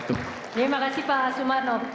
terima kasih pak asumarno